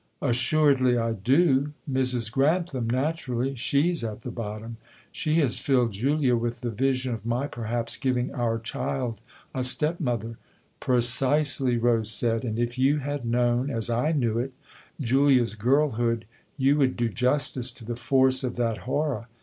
" Assuredly I do ! Mrs, Grantham naturally she's at the bottom. She has filled Julia with the vision of my perhaps giving our child a step mother." " Precisely," Rose said, " and if you had known, as I knew it, Julia's girlhood, you would do justice to the force of that horror.